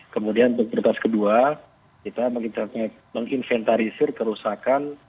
kemudian prioritas kedua kita menginventarisir kerusakan